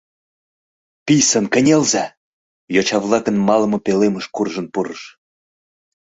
— Писын кынелза! — йоча-влакын малыме пӧлемыш куржын пурыш.